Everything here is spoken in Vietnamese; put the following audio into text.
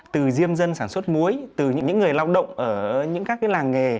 từ diêm dân sản xuất muối từ những người lao động ở những các cái làng nghề